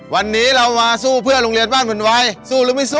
วันนี้เรามาสู้เพื่อโรงเรียนบ้านเหมือนวัยสู้หรือไม่สู้